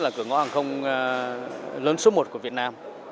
là cửa ngõ hàng không lớn số một của việt nam